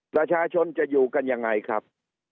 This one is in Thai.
ประชาชนจะอยู่กันยังไงครับ